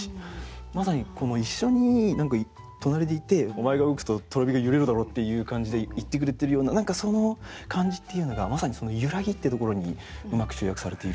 まさに一緒に隣でいて「お前が動くととろ火がゆれるだろ」っていう感じで言ってくれてるような何かその感じっていうのがまさにその「ゆらぎ」ってところにうまく集約されている。